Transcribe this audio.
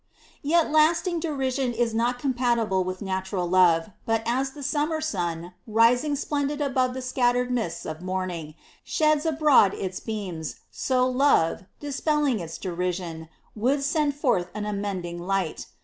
3. Yet lasting derision is not compatible with natural love, but as the summer sun, rising splendid above the scattered mists of morning, sheds abroad its beams, so love, dispelling its derision, would send forth an amending light.